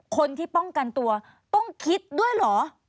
คนที่ป้องกันตัวต้องคิดด้วยเหรอ